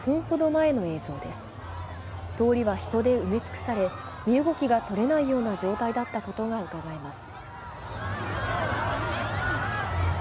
通りは人で埋め尽くされ、身動きが取れないような状態だったことがうかがえます。